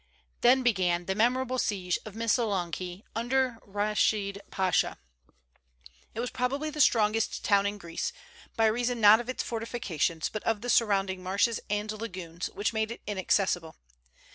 Then began the memorable siege of Missolonghi under Reschid Pasha. It was probably the strongest town in Greece, by reason not of its fortifications but of the surrounding marshes and lagoons which made it inaccessible.